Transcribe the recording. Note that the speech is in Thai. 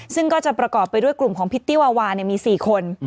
ซึ่งก็จะประกอบไปด้วยกลุ่มของพิตตี้วาวามี๔คน